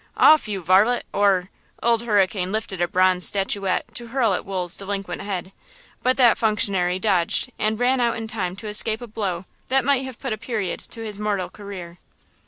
Off, you varlet, or–" Old Hurricane lifted a bronze statuette to hurl at Wool's delinquent head, but that functionary dodged and ran out in time to escape a blow that might have put a period to his mortal career.